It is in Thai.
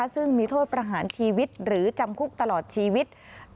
ซึ่งมีโทษประหารชีวิตหรือจำคุกตลอดชีวิต